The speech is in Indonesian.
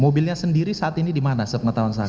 mobilnya sendiri saat ini dimana sepengetahuan saksi